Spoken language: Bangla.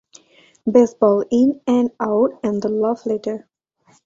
বেসবল; ইন অ্যান্ড আউট এবং দ্য লাভ লেটার।